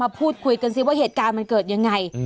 พูดคุยกันสิว่าเหตุการณ์มันเกิดยังไง